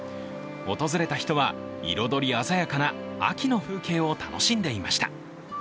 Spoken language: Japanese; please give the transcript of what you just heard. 訪れた人は彩り鮮やかな秋の風景を楽しんでいました。